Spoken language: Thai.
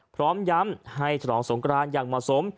พร้อมย้ำให้ฉลองสงกรานอย่างเหมาะสม